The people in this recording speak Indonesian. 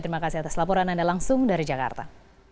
terima kasih atas laporan anda langsung dari jakarta